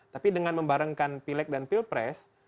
tapi dengan membarengkan pilek dan pilpres